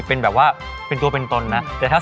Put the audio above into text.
พี่อายกับพี่อ๋อมไม่ได้ครับ